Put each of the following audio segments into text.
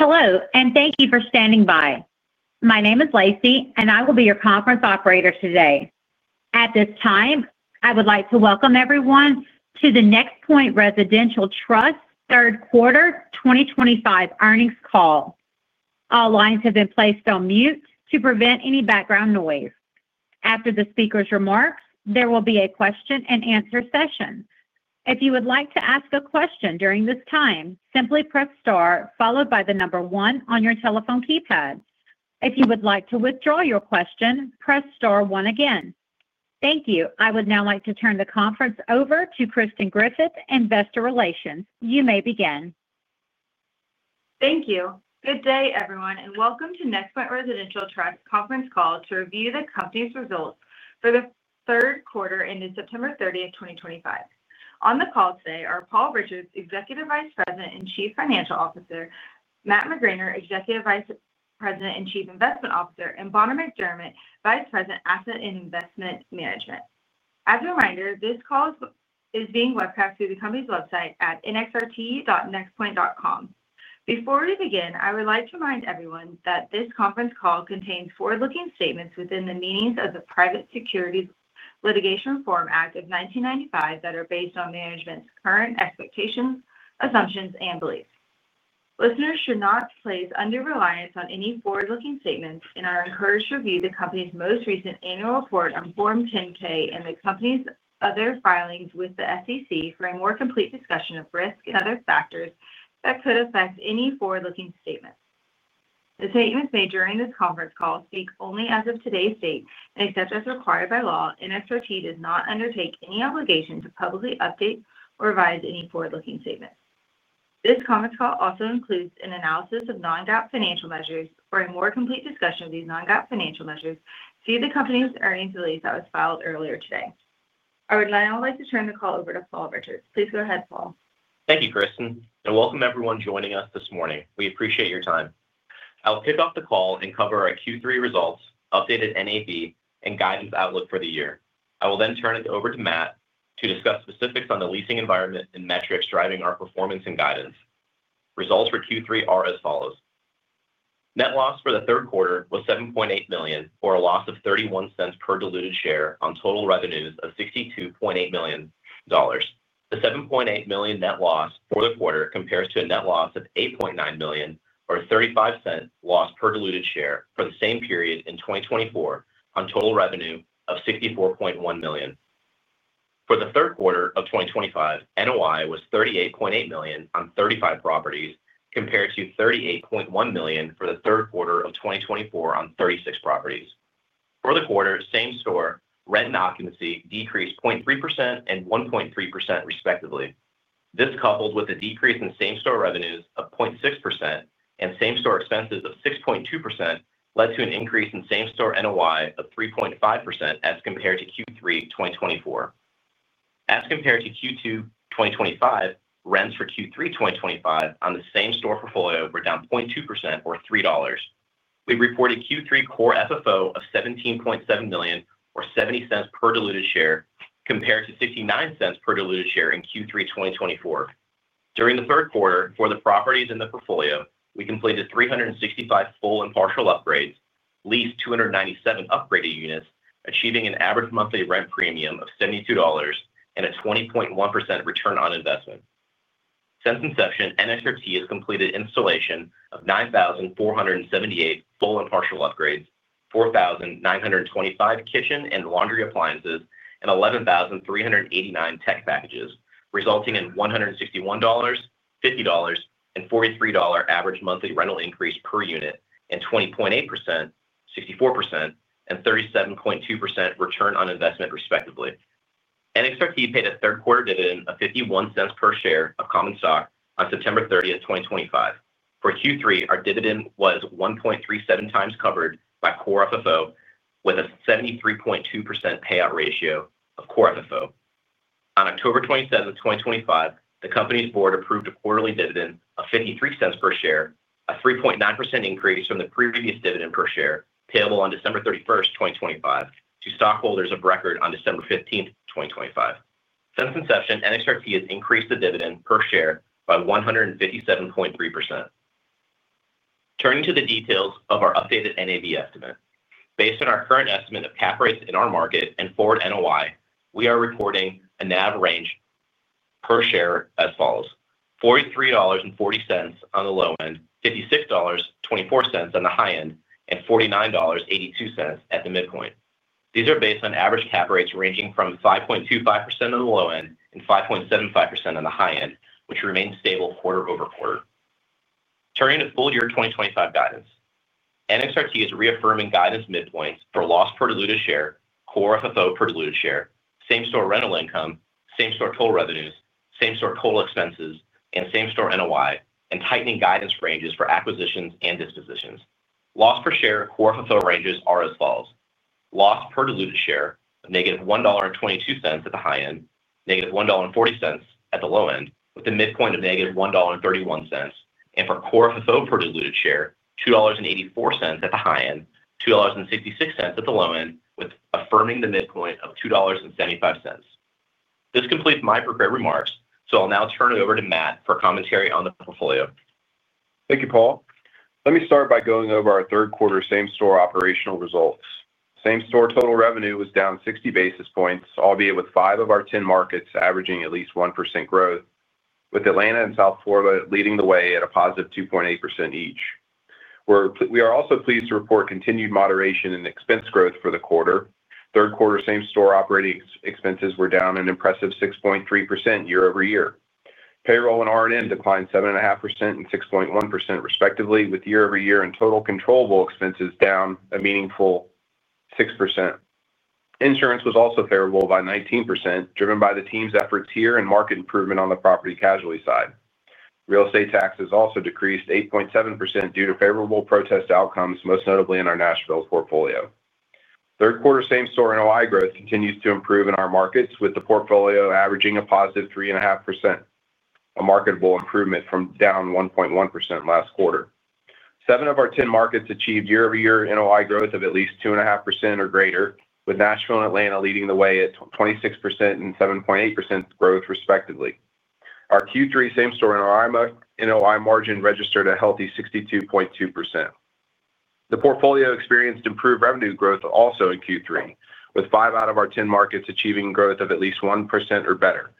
Hello, and thank you for standing by. My name is Lacey, and I will be your conference operator today. At this time, I would like to welcome everyone to the NexPoint Residential Trust third quarter 2025 earnings call. All lines have been placed on mute to prevent any background noise. After the speaker's remarks, there will be a question-and-answer session. If you would like to ask a question during this time, simply press star followed by the number one on your telephone keypad. If you would like to withdraw your question, press star one again. Thank you. I would now like to turn the conference over to Kristen Griffith, Investor Relations. You may begin. Thank you. Good day, everyone, and welcome to NexPoint Residential Trust's conference call to review the company's results for the third quarter ending September 30, 2025. On the call today are Paul Richards, Executive Vice President and Chief Financial Officer; Matt McGraner, Executive Vice President and Chief Investment Officer; and Bonner McDermett, Vice President, Asset and Investment Management. As a reminder, this call is being webcast through the company's website at nxrt.nexpoint.com. Before we begin, I would like to remind everyone that this conference call contains forward-looking statements within the meanings of the Private Securities Litigation Reform Act of 1995 that are based on management's current expectations, assumptions, and beliefs. Listeners should not place undue reliance on any forward-looking statements and are encouraged to review the company's most recent annual report on Form 10-K and the company's other filings with the SEC for a more complete discussion of risk and other factors that could affect any forward-looking statements. The statements made during this conference call speak only as of today's date, except as required by law. NXRT does not undertake any obligation to publicly update or revise any forward-looking statements. This conference call also includes an analysis of non-GAAP financial measures. For a more complete discussion of these non-GAAP financial measures, please refer to the company's earnings release that was filed earlier today. I would now like to turn the call over to Paul Richards. Please go ahead, Paul. Thank you, Kristen, and welcome everyone joining us this morning. We appreciate your time. I will kick off the call and cover our Q3 results, updated NAV, and guidance outlook for the year. I will then turn it over to Matt to discuss specifics on the leasing environment and metrics driving our performance and guidance. Results for Q3 are as follows: Net loss for the third quarter was $7.8 million, or a loss of $0.31 per diluted share on total revenues of $62.8 million. The $7.8 million net loss for the quarter compares to a net loss of $8.9 million, or a $0.35 loss per diluted share for the same period in 2024 on total revenue of $64.1 million. For the third quarter of 2025, NOI was $38.8 million on 35 properties, compared to $38.1 million for the third quarter of 2024 on 36 properties. For the quarter, same-store rent and occupancy decreased 0.3% and 1.3% respectively. This, coupled with a decrease in same-store revenues of 0.6% and same-store expenses of 6.2%, led to an increase in same-store NOI of 3.5% as compared to Q3 2024. As compared to Q2 2025, rents for Q3 2025 on the same-store portfolio were down 0.2% or $3. We reported Q3 core FFO of $17.7 million or $0.70 per diluted share, compared to $0.69 per diluted share in Q3 2024. During the third quarter, for the properties in the portfolio, we completed 365 full and partial upgrades, leased 297 upgraded units, achieving an average monthly rent premium of $72 and a 20.1% return on investment. Since inception, NXRT has completed installation of 9,478 full and partial upgrades, 4,925 kitchen and laundry appliances, and 11,389 tech packages, resulting in $161, $50, and $43 average monthly rental increase per unit and 20.8%, 64%, and 37.2% return on investment respectively. NXRT paid a third-quarter dividend of $0.51 per share of common stock on September 30th, 2025. For Q3, our dividend was 1.37x covered by core FFO, with a 73.2% payout ratio of core FFO. On October 27th, 2025, the company's board approved a quarterly dividend of $0.53 per share, a 3.9% increase from the previous dividend per share payable on December 31st, 2025, to stockholders of record on December 15th, 2025. Since inception, NXRT has increased the dividend per share by 157.3%. Turning to the details of our updated NAV estimate. Based on our current estimate of cap rates in our market and forward NOI, we are reporting a NAV range per share as follows: $43.40 on the low end, $56.24 on the high end, and $49.82 at the midpoint. These are based on average cap rates ranging from 5.25% on the low end and 5.75% on the high end, which remains stable quarter over quarter. Turning to full-year 2025 guidance, NXRT is reaffirming guidance midpoints for loss per diluted share, core FFO per diluted share, same-store rental income, same-store total revenues, same-store total expenses, and same-store NOI, and tightening guidance ranges for acquisitions and dispositions. Loss per share core FFO ranges are as follows: Loss per diluted share of -$1.22 at the high end, -$1.40 at the low end, with a midpoint of -$1.31, and for core FFO per diluted share, $2.84 at the high end, $2.66 at the low end, with affirming the midpoint of $2.75. This completes my prepared remarks, I'll now turn it over to Matt for commentary on the portfolio. Thank you, Paul. Let me start by going over our third quarter same-store operational results. Same-store total revenue was down 60 basis points, albeit with five of our 10 markets averaging at least 1% growth, with Atlanta and South Florida leading the way at a +2.8% each. We are also pleased to report continued moderation in expense growth for the quarter. Third quarter same-store operating expenses were down an impressive 6.3% year-over-year. Payroll and R&M declined 7.5% and 6.1% respectively, with year-over-year and total controllable expenses down a meaningful 6%. Insurance was also favorable by 19%, driven by the team's efforts here and market improvement on the property casualty side. Real estate taxes also decreased 8.7% due to favorable protest outcomes, most notably in our Nashville portfolio. Third quarter same-store NOI growth continues to improve in our markets, with the portfolio averaging a positive 3.5%, a marketable improvement from down 1.1% last quarter. Seven of our 10 markets achieved year-over-year NOI growth of at least 2.5% or greater, with Nashville and Atlanta leading the way at 26% and 7.8% growth respectively. Our Q3 same-store NOI margin registered a healthy 62.2%. The portfolio experienced improved revenue growth also in Q3, with five out of our 10 markets achieving growth of at least 1% or better.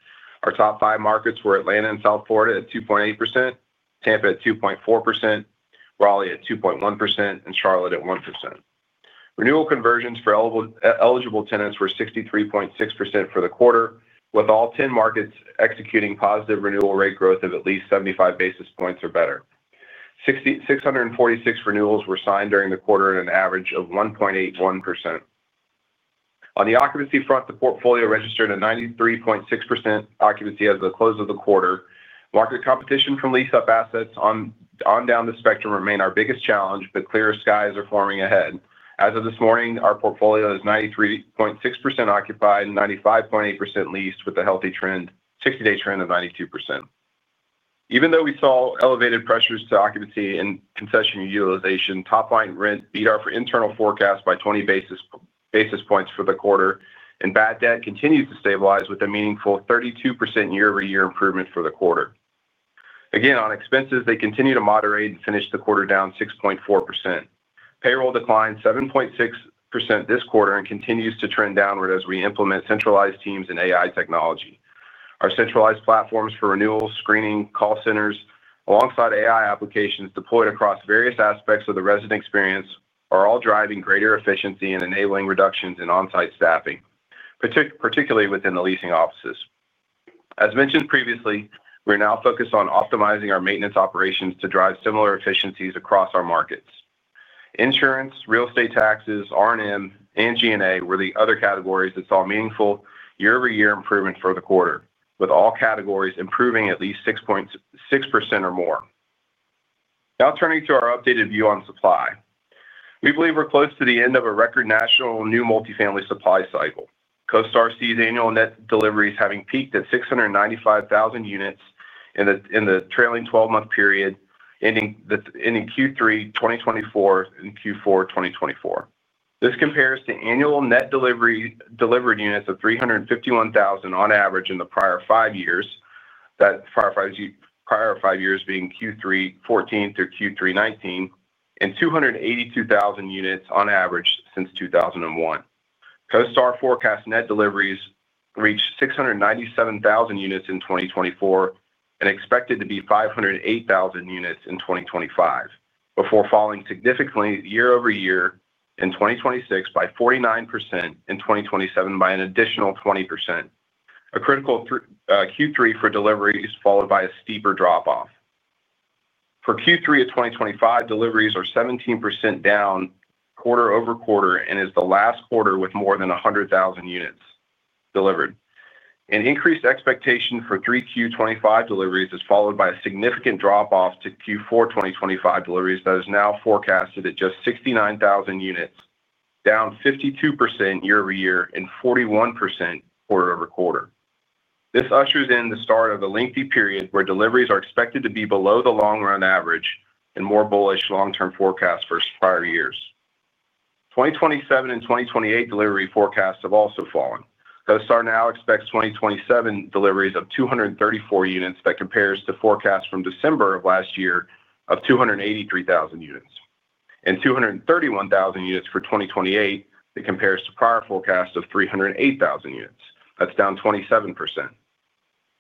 Our top five markets were Atlanta and South Florida at 2.8%, Tampa at 2.4%, Raleigh at 2.1%, and Charlotte at 1%. Renewal conversions for eligible tenants were 63.6% for the quarter, with all 10 markets executing positive renewal rate growth of at least 75 basis points or better. 646 renewals were signed during the quarter at an average of 1.81%. On the occupancy front, the portfolio registered a 93.6% occupancy as the close of the quarter. Market competition from lease-up assets on down the spectrum remain our biggest challenge, but clearer skies are forming ahead. As of this morning, our portfolio is 93.6% occupied and 95.8% leased, with a healthy 60-day trend of 92%. Even though we saw elevated pressures to occupancy and concession utilization, top line rent beat our internal forecast by 20 basis points for the quarter, and bad debt continues to stabilize with a meaningful 32% year-over-year improvement for the quarter. Again, on expenses, they continue to moderate and finish the quarter down 6.4%. Payroll declined 7.6% this quarter and continues to trend downward as we implement centralized teams and AI-driven platforms. Our centralized platforms for renewals, screening, call centers, alongside AI applications deployed across various aspects of the resident experience are all driving greater efficiency and enabling reductions in onsite staffing, particularly within the leasing offices. As mentioned previously, we are now focused on optimizing our maintenance operations to drive similar efficiencies across our markets. Insurance, real estate taxes, R&M, and G&A were the other categories that saw meaningful year-over-year improvement for the quarter, with all categories improving at least 6.6% or more. Now turning to our updated view on supply, we believe we're close to the end of a record national new multifamily supply cycle. CoStar sees annual net deliveries having peaked at 695,000 units in the trailing 12-month period, ending Q3 2024 and Q4 2024. This compares to annual net delivered units of 351,000 on average in the prior five years, that prior five years being Q3 2014 through Q3 2019, and 282,000 units on average since 2001. CoStar forecasts net deliveries reached 697,000 units in 2024 and expected to be 508,000 units in 2025, before falling significantly year-over-year in 2026 by 49% and 2027 by an additional 20%. A critical Q3 for deliveries followed by a steeper drop-off. For Q3 of 2025, deliveries are 17% down quarter-over-quarter and is the last quarter with more than 100,000 units delivered. An increased expectation for Q3 2025 deliveries is followed by a significant drop-off to Q4 2025 deliveries that is now forecasted at just 69,000 units, down 52% year-over-year and 41% quarter over quarter. This ushers in the start of a lengthy period where deliveries are expected to be below the long-run average and more bullish long-term forecasts for prior years. 2027 and 2028 delivery forecasts have also fallen. CoStar now expects 2027 deliveries of 234,000 units, that compares to forecasts from December of last year of 283,000 units, and 231,000 units for 2028, that compares to prior forecasts of 308,000 units. That's down 27%.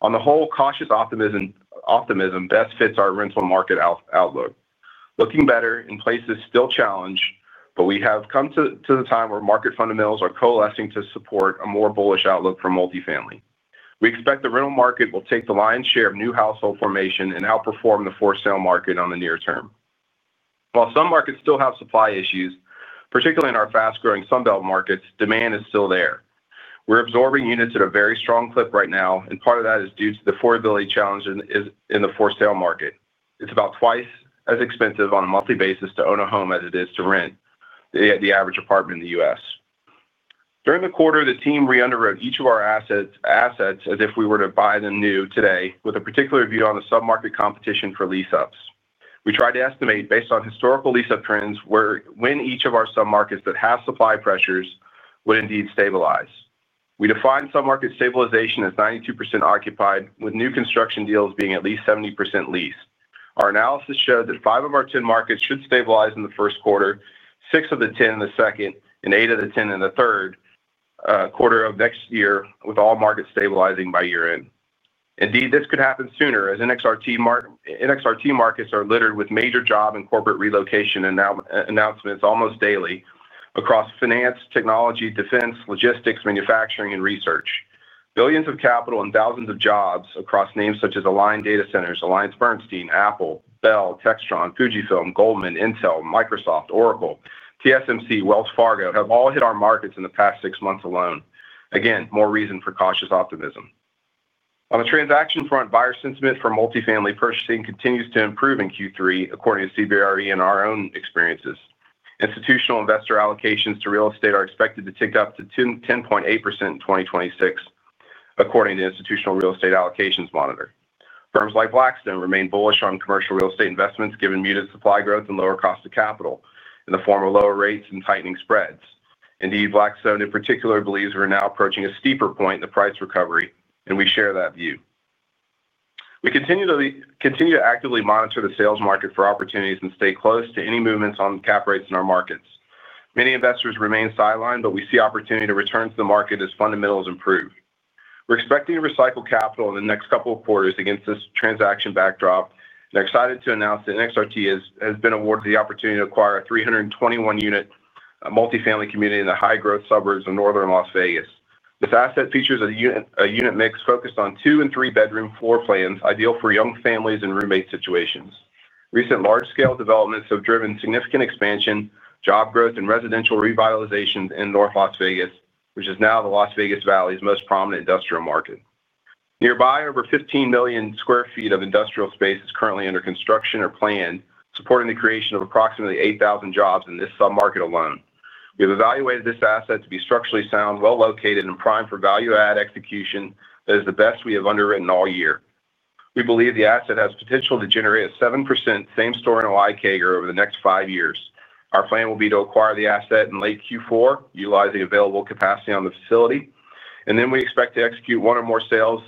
On the whole, cautious optimism best fits our rental market outlook. Looking better in places still challenged, but we have come to the time where market fundamentals are coalescing to support a more bullish outlook for multifamily. We expect the rental market will take the lion's share of new household formation and outperform the for sale market on the near term. While some markets still have supply issues, particularly in our fast-growing Sunbelt markets, demand is still there. We're absorbing units at a very strong clip right now, and part of that is due to the affordability challenge in the for sale market. It's about twice as expensive on a monthly basis to own a home as it is to rent the average apartment in the U.S. During the quarter, the team re-underwrote each of our assets as if we were to buy them new today, with a particular view on the submarket competition for lease-ups. We tried to estimate based on historical lease-up trends when each of our submarkets that have supply pressures would indeed stabilize. We defined submarket stabilization as 92% occupied, with new construction deals being at least 70% leased. Our analysis showed that five of our 10 markets should stabilize in the first quarter, six of the 10 in the second, and eight of the 10 in the third quarter of next year, with all markets stabilizing by year-end. Indeed, this could happen sooner as NXRT markets are littered with major job and corporate relocation announcements almost daily across finance, technology, defense, logistics, manufacturing, and research. Billions of capital and thousands of jobs across names such as Aligned Data Centers, AllianceBernstein, Apple, Bell, Textron, Fujifilm, Goldman, Intel, Microsoft, Oracle, TSMC, Wells Fargo have all hit our markets in the past six months alone. Again, more reason for cautious optimism. On the transaction front, buyer sentiment for multifamily purchasing continues to improve in Q3, according to CBRE and our own experiences. Institutional investor allocations to real estate are expected to tick up to 10.8% in 2026, according to the Institutional Real Estate Allocations Monitor. Firms like Blackstone remain bullish on commercial real estate investments given muted supply growth and lower cost of capital in the form of lower rates and tightening spreads. Indeed, Blackstone in particular believes we're now approaching a steeper point in the price recovery, and we share that view. We continue to actively monitor the sales market for opportunities and stay close to any movements on cap rates in our markets. Many investors remain sidelined, but we see opportunity to return to the market as fundamentals improve. We're expecting to recycle capital in the next couple of quarters against this transaction backdrop and are excited to announce that NXRT has been awarded the opportunity to acquire a 321-unit multifamily community in the high-growth suburbs of North Las Vegas. This asset features a unit mix focused on two and three-bedroom floor plans, ideal for young families and roommate situations. Recent large-scale developments have driven significant expansion, job growth, and residential revitalizations in North Las Vegas, which is now the Las Vegas Valley's most prominent industrial market. Nearby, over 15 million square feet of industrial space is currently under construction or planned, supporting the creation of approximately 8,000 jobs in this submarket alone. We have evaluated this asset to be structurally sound, well located, and primed for value-add execution that is the best we have underwritten all year. We believe the asset has potential to generate a 7% same-store NOI CAGR over the next five years. Our plan will be to acquire the asset in late Q4, utilizing available capacity on the facility, and then we expect to execute one or more sales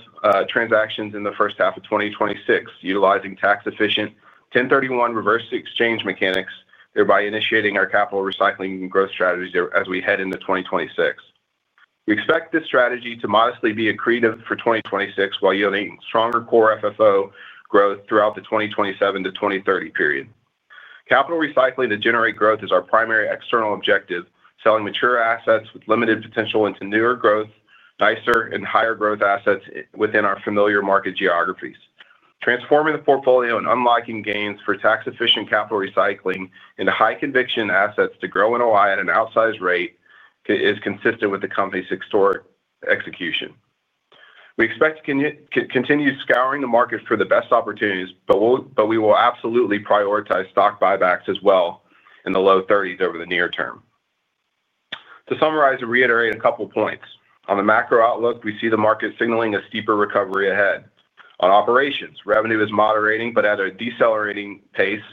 transactions in the first half of 2026, utilizing tax-efficient 1031 reverse exchange mechanics, thereby initiating our capital recycling and growth strategies as we head into 2026. We expect this strategy to modestly be accretive for 2026, while yielding stronger core FFO growth throughout the 2027 to 2030 period. Capital recycling to generate growth is our primary external objective, selling mature assets with limited potential into newer growth, nicer, and higher growth assets within our familiar market geographies. Transforming the portfolio and unlocking gains for tax-efficient capital recycling into high-conviction assets to grow NOI at an outsized rate is consistent with the company's historic execution. We expect to continue scouring the market for the best opportunities, but we will absolutely prioritize stock buybacks as well in the low 30s over the near term. To summarize and reiterate a couple of points. On the macro outlook, we see the market signaling a steeper recovery ahead. On operations, revenue is moderating but at a decelerating pace,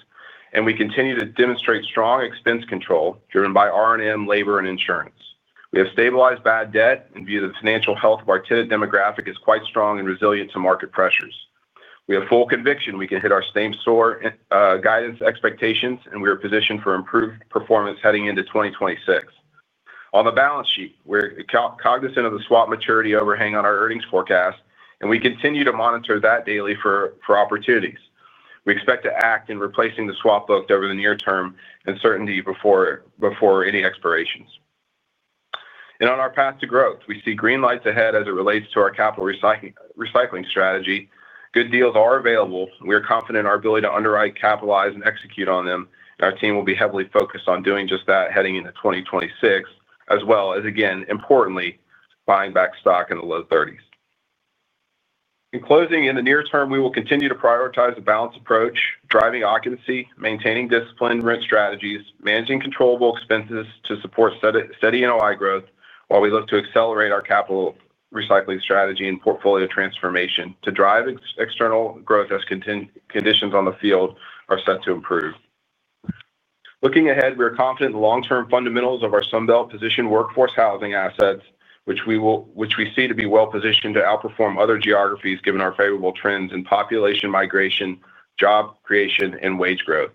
and we continue to demonstrate strong expense control driven by R&M, labor, and insurance. We have stabilized bad debt and view the financial health of our tenant demographic as quite strong and resilient to market pressures. We have full conviction we can hit our same-store guidance expectations, and we are positioned for improved performance heading into 2026. On the balance sheet, we're cognizant of the swap maturity overhang on our earnings forecast, and we continue to monitor that daily for opportunities. We expect to act in replacing the swap booked over the near term and certainly before any expirations. On our path to growth, we see green lights ahead as it relates to our capital recycling strategy. Good deals are available. We are confident in our ability to underwrite, capitalize, and execute on them, and our team will be heavily focused on doing just that heading into 2026, as well as, again, importantly, buying back stock in the low $30s. In closing, in the near term, we will continue to prioritize the balanced approach, driving occupancy, maintaining disciplined rent strategies, managing controllable expenses to support steady NOI growth, while we look to accelerate our capital recycling strategy and portfolio transformation to drive external growth as conditions on the field are set to improve. Looking ahead, we are confident in the long-term fundamentals of our Sunbelt positioned workforce housing assets, which we see to be well positioned to outperform other geographies given our favorable trends in population migration, job creation, and wage growth.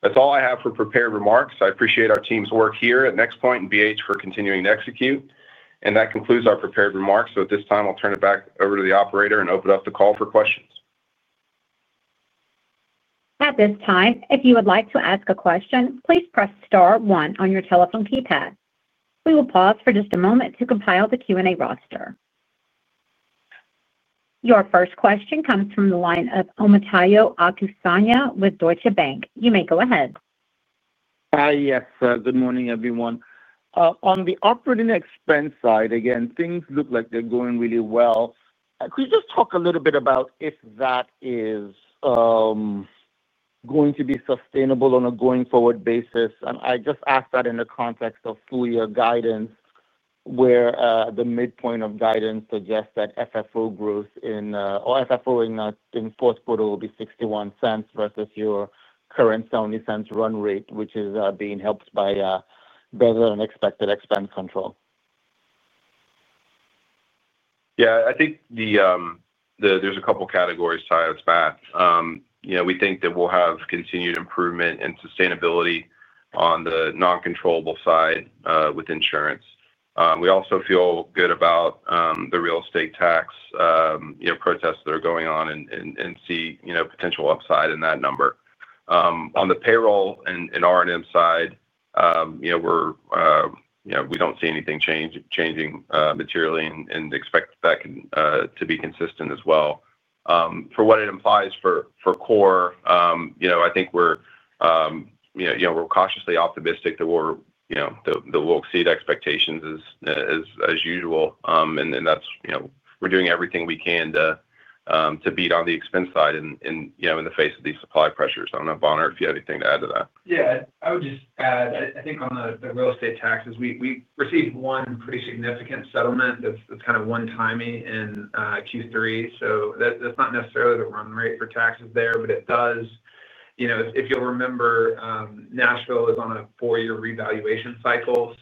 That's all I have for prepared remarks. I appreciate our team's work here at NexPoint and BH for continuing to execute. That concludes our prepared remarks. At this time, I'll turn it back over to the operator and open up the call for questions. At this time, if you would like to ask a question, please press star one on your telephone keypad. We will pause for just a moment to compile the Q&A roster. Your first question comes from the line of Omotayo Okusanya with Deutsche Bank. You may go ahead. Yes. Good morning, everyone. On the operating expense side, again, things look like they're going really well. Could you just talk a little bit about if that is going to be sustainable on a going-forward basis? I just ask that in the context of full-year guidance, where the midpoint of guidance suggests that FFO in the fourth quarter will be $0.61 versus your current $0.70 run rate, which is being helped by better than expected expense control. Yeah, I think there's a couple of categories tied to that. We think that we'll have continued improvement and sustainability on the non-controllable side with insurance. We also feel good about the real estate tax protests that are going on and see potential upside in that number. On the payroll and R&M side, we don't see anything changing materially and expect that to be consistent as well. For what it implies for core, I think we're cautiously optimistic that we'll exceed expectations as usual. We're doing everything we can to beat on the expense side in the face of these supply pressures. I don't know, Bonner, if you have anything to add to that. Yeah, I would just add, I think on the real estate taxes, we received one pretty significant settlement that's kind of one-time in Q3. That's not necessarily the run rate for taxes there, but it does, you know, if you'll remember, Nashville is on a four-year revaluation cycle.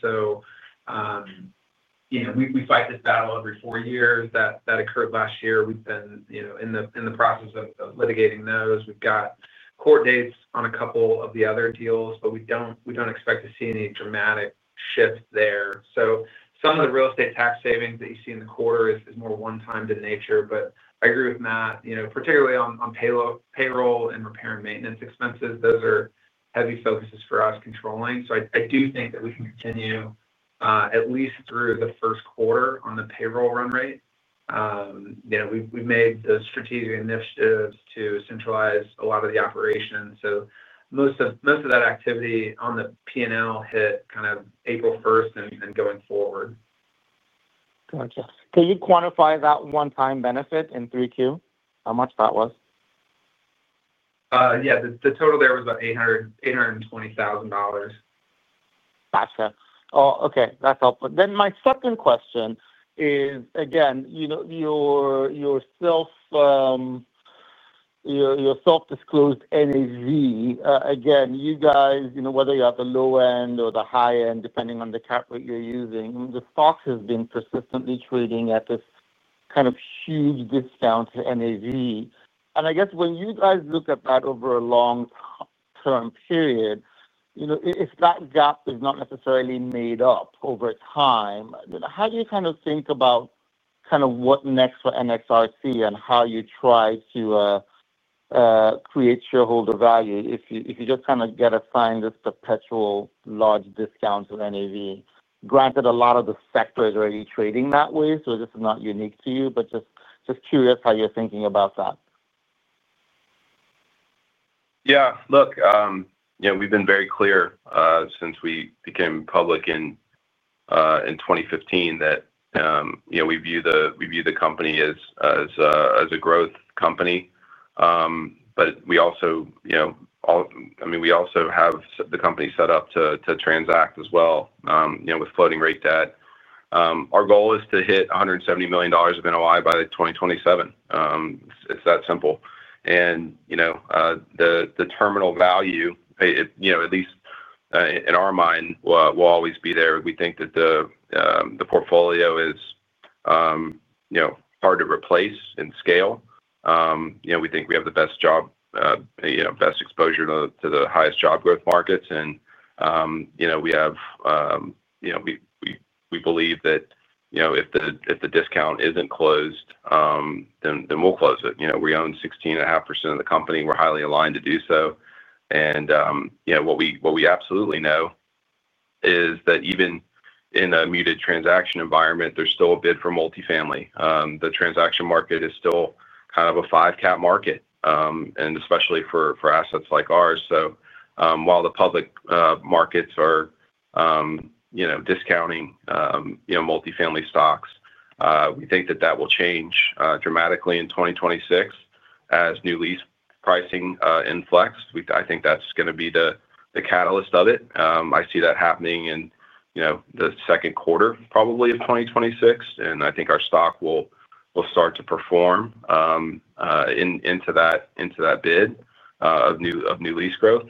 We fight this battle every four years; that occurred last year. We've been in the process of litigating those. We've got court dates on a couple of the other deals, but we don't expect to see any dramatic shifts there. Some of the real estate tax savings that you see in the quarter is more one-time in nature. I agree with Matt, particularly on payroll and repair and maintenance expenses; those are heavy focuses for us controlling. I do think that we can continue at least through the first quarter on the payroll run rate. We've made the strategic initiatives to centralize a lot of the operations. Most of that activity on the P&L hit April 1st and going forward. Gotcha. Can you quantify that one-time benefit in 3Q, how much that was? Yeah, the total there was about $820,000. Gotcha. Oh, okay. That's helpful. My second question is, again, your self-disclosed NAV. You know, whether you have the low end or the high end, depending on the cap rate you're using, the stock has been persistently trading at this kind of huge discount to NAV. I guess when you look at that over a long-term period, if that gap is not necessarily made up over time, how do you think about what is next for NXRT and how you try to create shareholder value if you just get assigned this perpetual large discount to NAV? Granted, a lot of the sector is already trading that way, so this is not unique to you, but just curious how you're thinking about that. Yeah, look, we've been very clear since we became public in 2015 that we view the company as a growth company. We also have the company set up to transact as well, with floating rate debt. Our goal is to hit $170 million of NOI by 2027. It's that simple. The terminal value, at least in our mind, will always be there. We think that the portfolio is hard to replace in scale. We think we have the best exposure to the highest job growth markets. We believe that if the discount isn't closed, then we'll close it. We own 16.5% of the company. We're highly aligned to do so. What we absolutely know is that even in a muted transaction environment, there's still a bid for multifamily. The transaction market is still kind of a five-cap market, especially for assets like ours. While the public markets are discounting multifamily stocks, we think that will change dramatically in 2026 as new lease pricing inflects. I think that's going to be the catalyst of it. I see that happening in the second quarter probably of 2026. I think our stock will start to perform into that bid of new lease growth.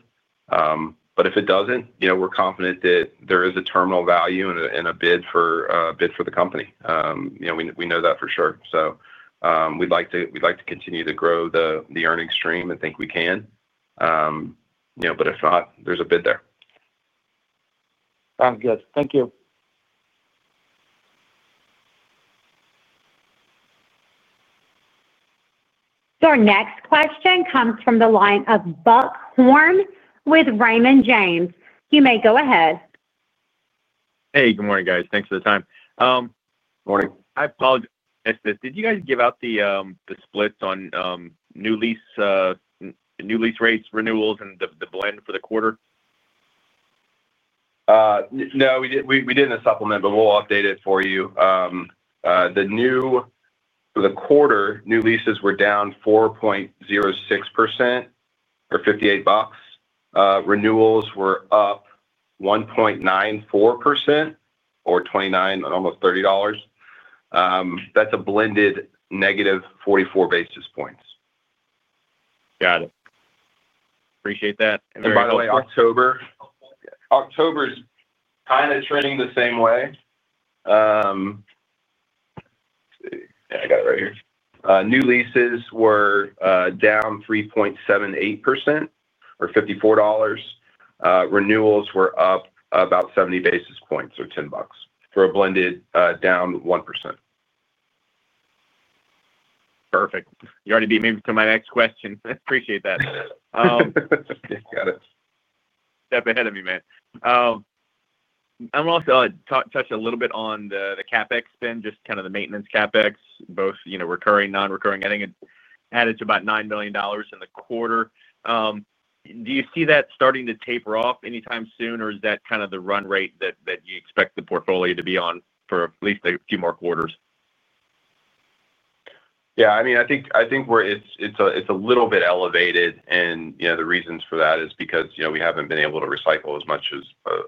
If it doesn't, we're confident that there is a terminal value and a bid for the company. We know that for sure. We'd like to continue to grow the earnings stream and think we can. If not, there's a bid there. Sounds good. Thank you. Our next question comes from the line of Buck Horne with Raymond James. You may go ahead. Hey, good morning, guys. Thanks for the time. Morning. I apologize. Did you guys give out the splits on new lease rates, renewals, and the blend for the quarter? No, we didn't supplement, but we'll update it for you. The new quarter new leases were down 4.06% or $58. Renewals were up 1.94% or $29, almost $30. That's a blended negative 44 basis points. Got it. Appreciate that. By the way, October's kind of trending the same way. Yeah, I got it right here. New leases were down 3.78% or $54. Renewals were up about 70 basis points or $10, for a blended down 1%. Perfect. You already beat me to my next question. I appreciate that. Got it. Step ahead of me, man. I'm also going to touch a little bit on the CapEx spend, just kind of the maintenance CapEx, both, you know, recurring, non-recurring. I think it added to about $9 million in the quarter. Do you see that starting to taper off anytime soon, or is that kind of the run rate that you expect the portfolio to be on for at least a few more quarters? Yeah, I mean, I think it's a little bit elevated, and the reasons for that is because we haven't been able to recycle as much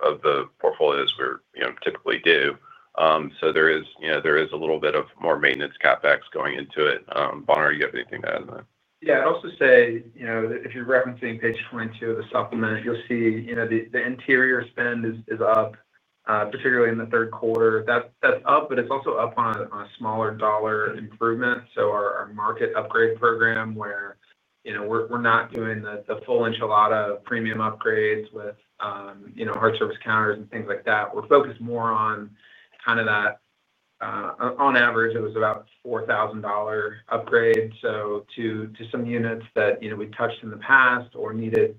of the portfolio as we typically do. There is a little bit of more maintenance CapEx going into it. Bonner, do you have anything to add to that? Yeah, I'd also say, if you're referencing page 22 of the supplement, you'll see the interior spend is up, particularly in the third quarter. That's up, but it's also up on a smaller dollar improvement. Our market upgrade program, where we're not doing the full enchilada of premium upgrades with hard surface counters and things like that, is focused more on kind of that, on average, it was about $4,000 upgrade. To some units that we touched in the past or needed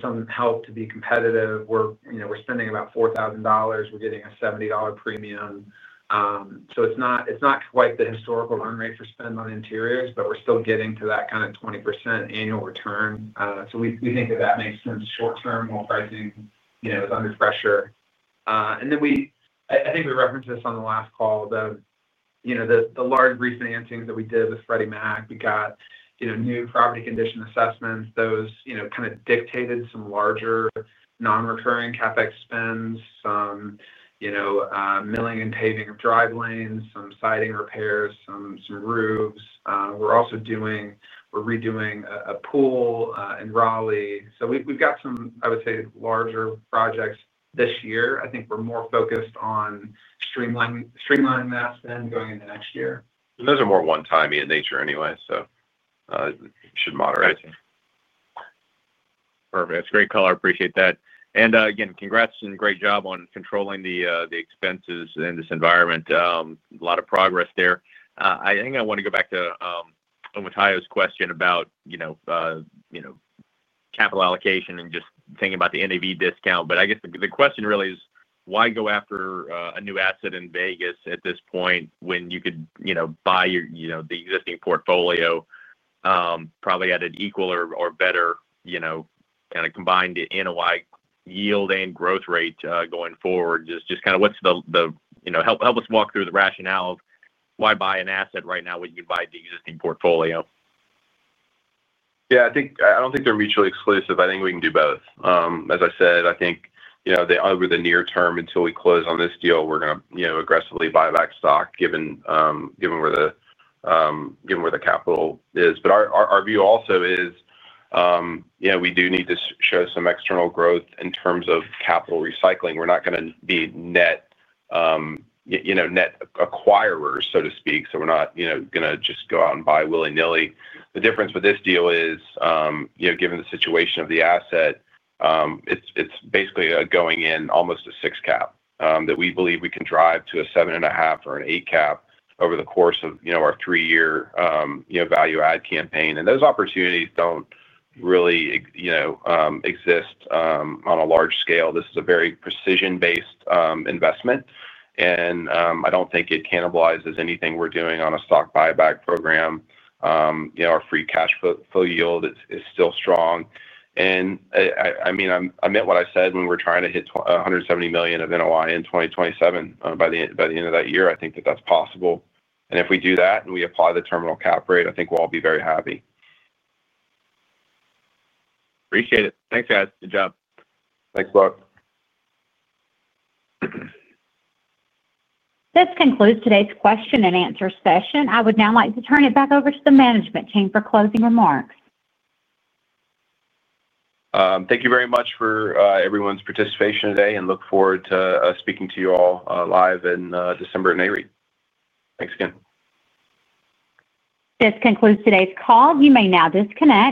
some help to be competitive, we're spending about $4,000. We're getting a $70 premium. It's not quite the historical run rate for spend on interiors, but we're still getting to that kind of 20% annual return. We think that makes sense short-term while pricing is under pressure. I think we referenced this on the last call, the large refinancing that we did with Freddie Mac. We got new property condition assessments. Those kind of dictated some larger non-recurring CapEx spends, some milling and paving of drive lanes, some siding repairs, some roofs. We're also redoing a pool in Raleigh. We've got some, I would say, larger projects this year. I think we're more focused on streamlining that spend going into next year. Those are more one-time in nature anyway, so it should moderate. Perfect. That's a great call. I appreciate that. Again, congrats and great job on controlling the expenses in this environment. A lot of progress there. I want to go back to Omotayo's question about, you know, capital allocation and just thinking about the NAV discount. I guess the question really is, why go after a new asset in North Las Vegas at this point when you could buy your existing portfolio probably at an equal or better, you know, kind of combined NOI yield and growth rate going forward? Just kind of what's the, you know, help us walk through the rationale of why buy an asset right now when you can buy the existing portfolio? Yeah, I don't think they're mutually exclusive. I think we can do both. As I said, over the near term until we close on this deal, we're going to aggressively buy back stock given where the capital is. Our view also is we do need to show some external growth in terms of capital recycling. We're not going to be net acquirers, so to speak. We're not going to just go out and buy willy-nilly. The difference with this deal is, given the situation of the asset, it's basically going in almost a 6% cap rate that we believe we can drive to a 7.5% or an 8% cap rate over the course of our three-year value-add campaign. Those opportunities don't really exist on a large scale. This is a very precision-based investment. I don't think it cannibalizes anything we're doing on a stock buyback program. Our free cash flow yield is still strong. I meant what I said when we were trying to hit $170 million of NOI in 2027. By the end of that year, I think that that's possible. If we do that and we apply the terminal cap rate, I think we'll all be very happy. Appreciate it. Thanks, guys. Good job. Thanks, Buck. This concludes today's question and answer session. I would now like to turn it back over to the management team for closing remarks. Thank you very much for everyone's participation today, and look forward to speaking to you all live in December and May. Thanks again. This concludes today's call. You may now disconnect.